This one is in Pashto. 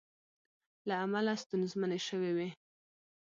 له امله ستونزمنې شوې وې